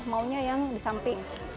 maunya yang di samping